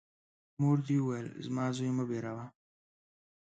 مور دي وویل : زما زوی مه بېروه!